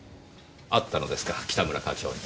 会ったのですか北村課長に。